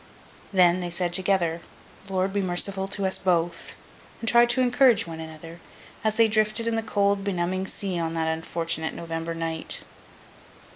Then, they said together, 'Lord be merciful to us both!' and tried to encourage one another, as they drifted in the cold benumbing sea on that unfortunate November night.